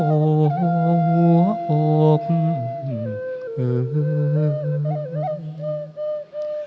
เอ้ยโอ้โหว่โอบเอ้ย